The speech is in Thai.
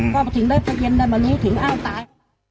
ก็ถึงได้เผตียนได้มารู้ถึงอ้าวตาย